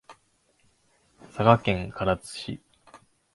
佐賀県唐津市